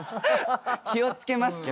気を付けますけど。